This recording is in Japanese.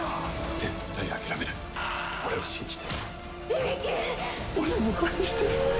絶対諦めない、俺を信じて。